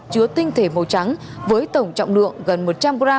chứa tinh thể màu trắng với tổng trọng lượng gần một trăm linh gram